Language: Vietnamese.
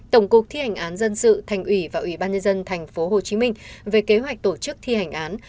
tổng cục thi hành án dân sự thành ủy và ủy ban nhân dân tp hcm về kế hoạch tổ chức thi hành án